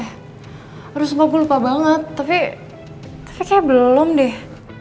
aduh sumpah gue lupa banget tapi kayaknya belum deh